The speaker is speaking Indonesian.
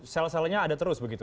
sel selnya ada terus begitu